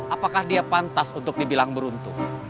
apakah dia pantas untuk dibilang beruntung